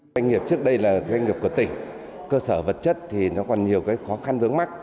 doanh nghiệp trước đây là doanh nghiệp của tỉnh cơ sở vật chất thì nó còn nhiều khó khăn vướng mắt